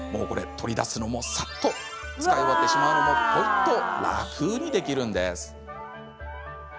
取り出すのも、さっと使い終わってしまうのもぽいっと、楽にできるのです。